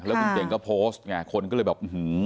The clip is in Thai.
แล้วคุณเก่งก็โพสต์ไงคนก็เลยแบบ